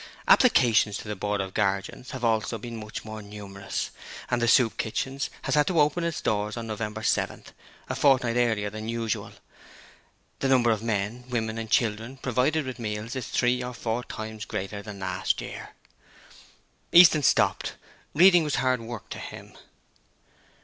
Applications to the Board of Guardians have also been much more numerous, and the Soup Kitchen has had to open its doors on Nov. 7th a fortnight earlier than usual. The number of men, women and children provided with meals is three or four times greater than last year.' Easton stopped: reading was hard work to him.